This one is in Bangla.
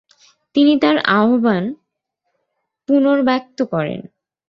তিনি তার আহবান পুনর্ব্যক্ত করেন।